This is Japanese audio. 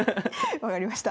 分かりました。